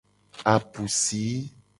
Apusi.